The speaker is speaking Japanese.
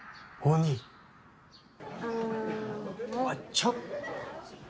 ちょっと。